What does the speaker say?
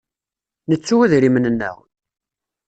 Nettu idrimen-nneɣ?